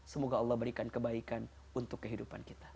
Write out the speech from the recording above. semoga allah berikan kebaikan untuk kehidupan kita